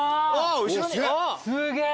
すげえ！